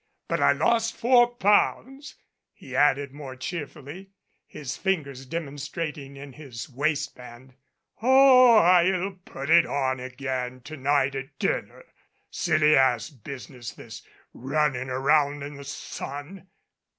But I lost four pounds," he added more cheerfully his fingers demonstrating in his waistband. "Oh, I'll put it on again to night at dinner. Silly ass business this runnin' around in the sun."